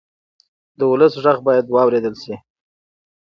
د ولس غږ باید واورېدل شي